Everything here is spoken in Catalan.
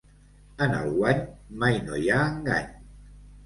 En el guany mai no hi ha engany.